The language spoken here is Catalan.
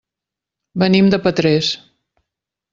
Venim de Petrés.